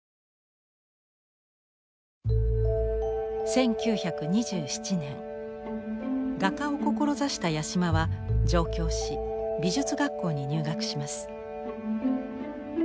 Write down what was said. １９２７年画家を志した八島は上京し美術学校に入学します。